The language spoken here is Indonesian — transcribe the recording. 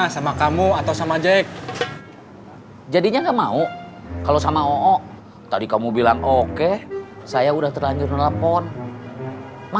sampai jumpa di video selanjutnya